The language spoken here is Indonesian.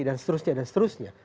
dan seterusnya dan seterusnya